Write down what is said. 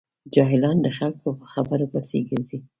جاهلان د خلکو په خبرو پسې ګرځي.